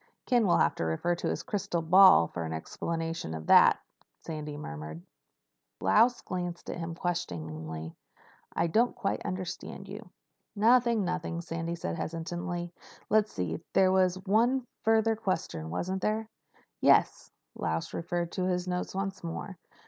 "Ken will have to refer to his crystal ball for an explanation of that," Sandy murmured. Lausch glanced at him questioningly. "I didn't quite understand you." "Nothing—nothing," Sandy said hastily. "Let's see. There was one further question, wasn't there?" "Yes," Lausch referred to his notes once more.